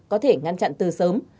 có thể ngăn chặn từ sớm